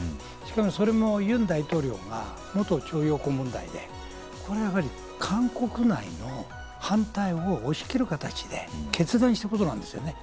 ユン大統領が元徴用工問題で韓国内の反対を押し切る形で決断したことなんですよね。